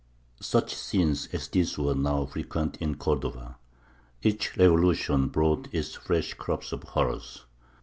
] Such scenes as this were now frequent in Cordova. Each revolution brought its fresh crop of horrors.